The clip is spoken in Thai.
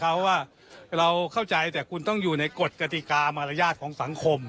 เพราะว่าเราเข้าใจแต่คุณต้องอยู่ในกฎกติกามารยาทของสังคม